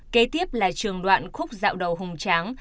kế tiếp là trường đoạn khúc dạo đầu hùng tráng